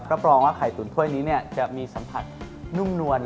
รับรองว่าไข่ตุ๋นถ้วยนี้จะมีสัมผัสนุ่มนวล